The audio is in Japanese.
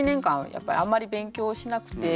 やっぱりあんまり勉強しなくて。